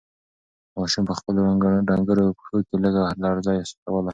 ماشوم په خپلو ډنگرو پښو کې لږه لړزه احساسوله.